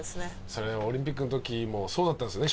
それでもオリンピックの時もそうだったんですよね